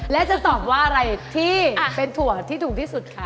และจะตอบว่าอะไรที่เป็นถั่วที่ถูกที่สุดคะ